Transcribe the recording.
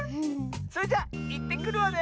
それじゃいってくるわね！